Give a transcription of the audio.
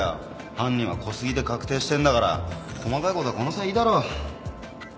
犯人は小杉で確定してんだから細かいことはこの際いいだろ。